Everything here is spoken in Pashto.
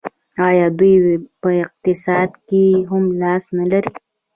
آیا دوی په اقتصاد کې هم لاس نلري؟